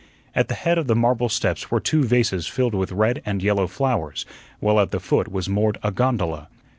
At the head of the marble steps were two vases filled with red and yellow flowers, while at the foot was moored a gondola.